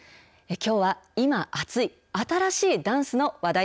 きょうは今熱い、新しいダンスの話題。